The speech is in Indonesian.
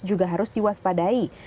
juga harus diwaspadai